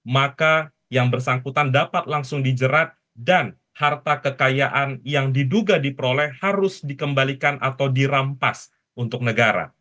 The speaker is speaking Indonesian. maka yang bersangkutan dapat langsung dijerat dan harta kekayaan yang diduga diperoleh harus dikembalikan atau dirampas untuk negara